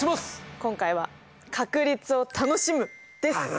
今回は「確率を楽しむ」です。